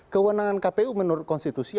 kewenangan kpu menurut konstitusi